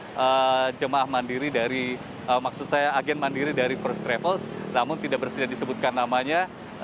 saya coba berkomunikasi dengan dua orang jemaah mandiri dari maksud saya agen mandiri dari first travel namun tidak bersedia disebutkan namanya